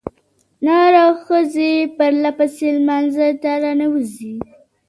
نرو ښځې پرلپسې لمانځه ته راننوځي.